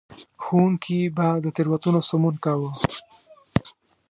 ښوونکي به د تېروتنو سمون کاوه.